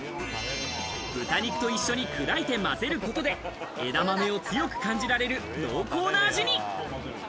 豚肉と一緒に砕いて混ぜることで、枝豆を強く感じられる濃厚な味に。